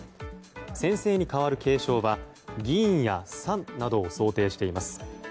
「先生」に代わる敬称は「議員」や「さん」などを想定しています。